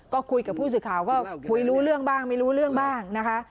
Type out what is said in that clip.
ก็คุยกับผู้สื่อข่าวก็คุยรู้เรื่องบ้างไม่รู้เรื่องบ้างนะคะ